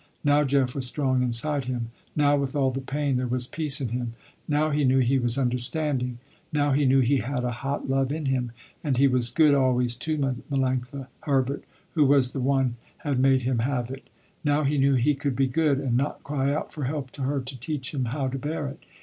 Now Jeff was strong inside him. Now with all the pain there was peace in him. Now he knew he was understanding, now he knew he had a hot love in him, and he was good always to Melanctha Herbert who was the one had made him have it. Now he knew he could be good, and not cry out for help to her to teach him how to bear it.